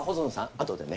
あとでね